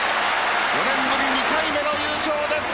４年ぶり２回目の優勝です！